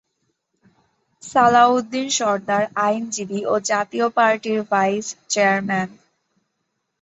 সালাউদ্দিন সরদার আইনজীবী ও জাতীয় পার্টির ভাইস চেয়ারম্যান।